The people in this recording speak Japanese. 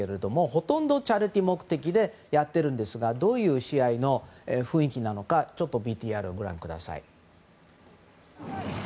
ほとんどチャリティー目的でやってるんですがどういう試合の雰囲気なのかちょっとＶＴＲをご覧ください。